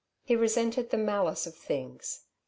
He resented the malice of things.